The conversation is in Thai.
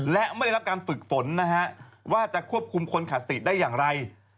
และไม่ได้รับการฝึกฝนนะฮะว่าจะควบคุมคนขาดสติได้อย่างไร